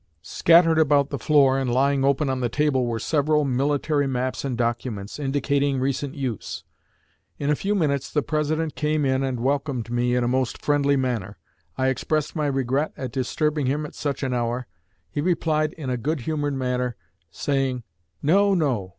Scattered about the floor and lying open on the table were several military maps and documents, indicating recent use. In a few minutes the President came in and welcomed me in a most friendly manner; I expressed my regret at disturbing him at such an hour. He replied in a good humored manner, saying, 'No, no!